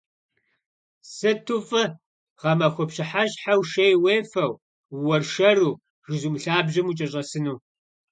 Сыту фӏы гъэмахуэ пщыхьэщхьэу шей уефэу, ууэршэру жызум лъабжьэм укӏэщӏэсыну.